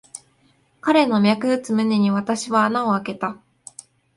彼の脈打つ胸に、私は穴をあけた。